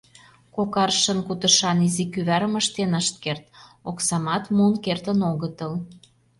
Кок аршын кутышан изи кӱварым ыштен ышт керт, оксамат муын кертын огытыл.